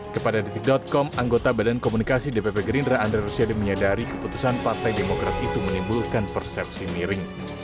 kepada detik com anggota badan komunikasi dpp gerindra andre rosiade menyadari keputusan partai demokrat itu menimbulkan persepsi miring